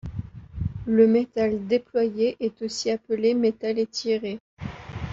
Le métal déployé est aussi appelé métal étiré.